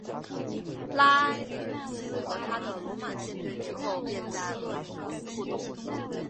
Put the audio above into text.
拉埃维努斯和他的罗马舰队之后便在俄里科斯过冬。